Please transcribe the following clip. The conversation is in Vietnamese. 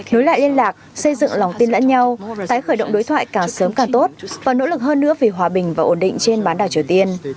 nối lại liên lạc xây dựng lòng tin lẫn nhau tái khởi động đối thoại càng sớm càng tốt và nỗ lực hơn nữa vì hòa bình và ổn định trên bán đảo triều tiên